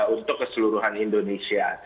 untuk keseluruhan indonesia